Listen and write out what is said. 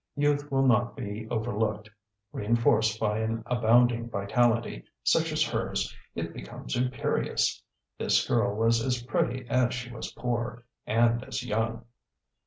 Youth will not be overlooked; reinforced by an abounding vitality, such as hers, it becomes imperious. This girl was as pretty as she was poor, and as young.